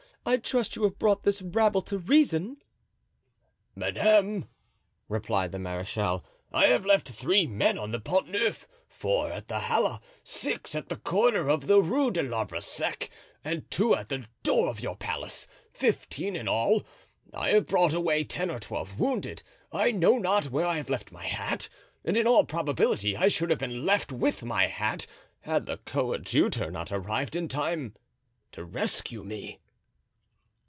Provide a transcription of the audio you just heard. "I trust you have brought this rabble to reason." "Madame," replied the marechal, "I have left three men on the Pont Neuf, four at the Halle, six at the corner of the Rue de l'Arbre Sec and two at the door of your palace—fifteen in all. I have brought away ten or twelve wounded. I know not where I have left my hat, and in all probability I should have been left with my hat, had the coadjutor not arrived in time to rescue me."